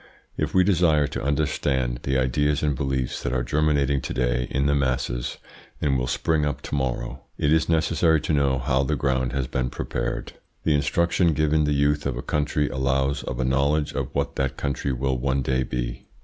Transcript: If we desire to understand the ideas and beliefs that are germinating to day in the masses, and will spring up to morrow, it is necessary to know how the ground has been prepared. The instruction given the youth of a country allows of a knowledge of what that country will one day be.